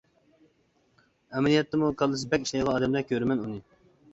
ئەمەلىيەتتىمۇ كاللىسى بەك ئىشلەيدىغان ئادەمدەك كۆرىمەن ئۇنى.